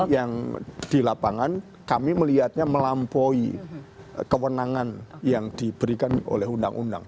yang di lapangan kami melihatnya melampaui kewenangan yang diberikan oleh undang undang